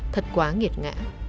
thật quá nghiệt ngã